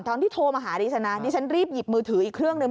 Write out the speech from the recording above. โทรมาหาดิฉันนะดิฉันรีบหยิบมือถืออีกเครื่องหนึ่ง